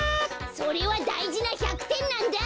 それはだいじな１００てんなんだ！